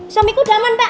suamiku damon pak